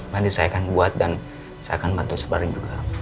nanti saya akan buat dan saya akan bantu sebaring juga